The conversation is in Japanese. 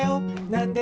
なんで？